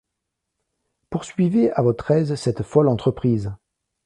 Poursuivez à votre aise cette folle entreprise!